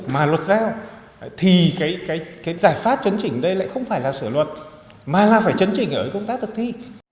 mà luật giao thì cái giải pháp chấn chỉnh đây lại không phải là sửa luật mà là phải chấn chỉnh ở công tác thực thi